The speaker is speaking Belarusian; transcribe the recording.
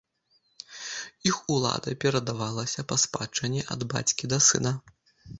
Іх улада перадавалася па спадчыне ад бацькі да сына.